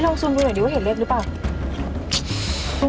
เฮ้ยลองซุนดูหน่อยดีกว่าเห็นเลขหรือเปล่า